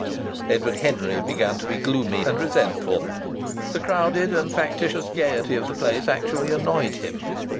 Edward Henry began to be gloomy and resentful. The crowded and factitious gaiety of the place actually annoyed him.